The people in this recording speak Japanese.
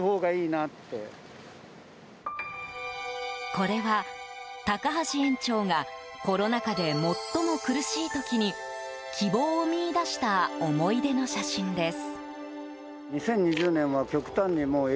これは、高橋園長がコロナ禍で最も苦しい時に希望を見いだした思い出の写真です。